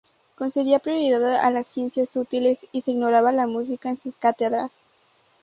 Concedía prioridad a las ciencias útiles y se ignoraba la música en sus cátedras.